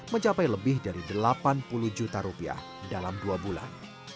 mencapai lebih dari delapan puluh juta rupiah dalam dua bulan